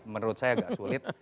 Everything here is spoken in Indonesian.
menurut saya agak sulit